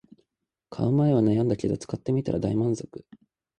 買う前は悩んだけど使ってみたら大満足